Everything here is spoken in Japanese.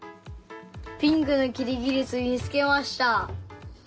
ピンクのキリギリス見つけました！